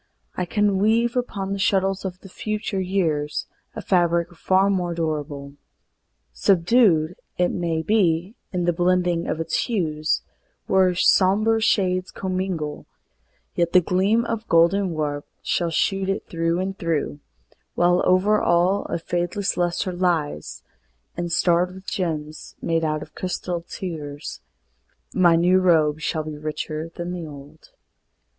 I can weave Upon the shuttles of the future years A fabric far more durable. Subdued, It may be, in the blending of its hues, Where somber shades commingle, yet the gleam Of golden warp shall shoot it through and through, While over all a fadeless luster lies, And starred with gems made out of crystalled tears, My new robe shall be richer than the old.